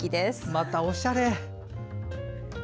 また、おしゃれ！